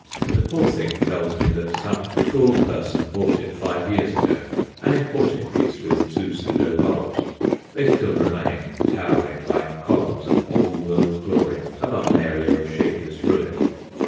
The poor thing tells me that some cruel person bought it five years ago an imported piece, with two pseudo bulbs. They still remain, towering like columns of old world glory above an area of shapeless ruin.